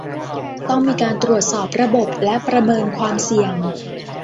ต้องมีการตรวจสอบระบบ และประเมินความเสี่ยง